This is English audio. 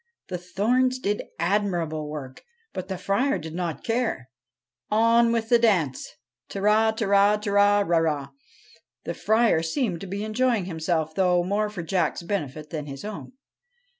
The thorns did admirable work, but the Friar did not care. On with the dance ! Tara tara tara ra ra the Friar seemed to be enjoying himself, though more for Jack's benefit than his own.